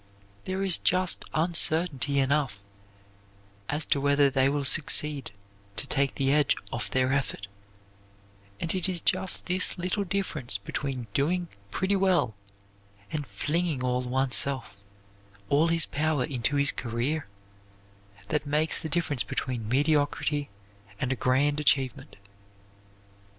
There is just uncertainty enough as to whether they will succeed to take the edge off their effort, and it is just this little difference between doing pretty well and flinging all oneself, all his power, into his career, that makes the difference between mediocrity and a grand achievement.